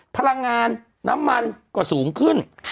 พลังงานน้ำมันก็สูงขึ้น